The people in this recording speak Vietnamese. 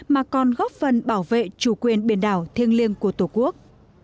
mà còn góp phần bảo vệ chủ quyền biển đảo thiêng liêng của tổ quốc